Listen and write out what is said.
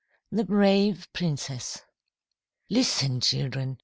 THE BRAVE PRINCESS "LISTEN, children!